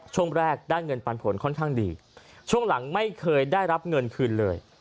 ช่วงแรกได้เงินปันผลค่อนข้างดีช่วงหลังไม่เคยได้รับเงินคืนเลย